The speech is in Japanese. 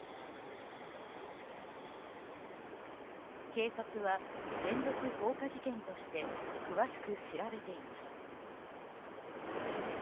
警察は連続放火事件として詳しく調べています。